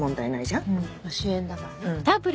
うん主演だからね。